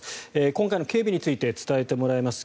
今回の警備について伝えてもらいます。